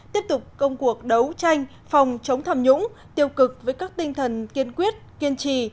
tiếp tục công cuộc đấu tranh phòng chống tham nhũng tiêu cực với các tinh thần kiên quyết kiên trì